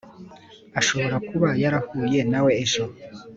ashobora kuba yarahuye nawe ejo